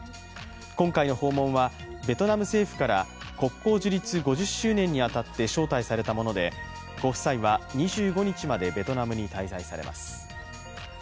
今回の訪問はベトナム政府から国交樹立５０周年に当たって招待されたもので、ご夫妻は２５日までベトナムに滞在されます。